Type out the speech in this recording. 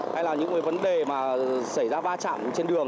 hay là những vấn đề xảy ra va chạm trên đường